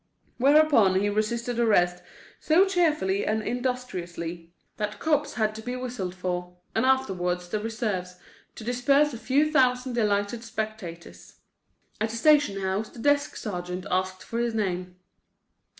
Whereupon he resisted arrest so cheerfully and industriously that cops had to be whistled for, and afterwards the reserves, to disperse a few thousand delighted spectators. At the station house the desk sergeant asked for his name.